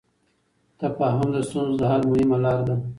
تفاهم د ستونزو د حل مهمه لار ده.